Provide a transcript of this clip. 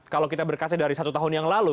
kalau kita berkaca dari satu tahun yang lalu